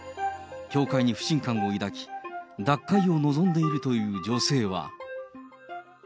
教会に不信感を抱き、脱会を望んでいるという女性は。